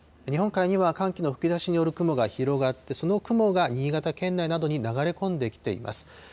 日本海には寒気の吹き出しによる雲が広がって、その雲が新潟県内などに流れ込んできています。